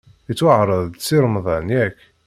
Ittwaɛreḍ-d Si Remḍan, yak?